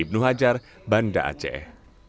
ibnu hajar banda aceh